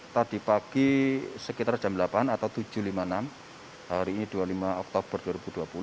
tadi pagi sekitar jam delapan atau tujuh lima puluh enam hari ini dua puluh lima oktober dua ribu dua puluh